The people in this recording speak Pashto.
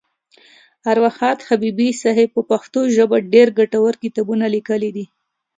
اروا ښاد حبیبي صاحب په پښتو ژبه ډېر ګټور کتابونه لیکلي دي.